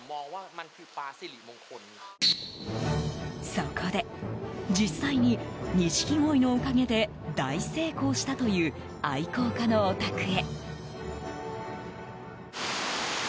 そこで、実際にニシキゴイのおかげで大成功したという愛好家のお宅へ。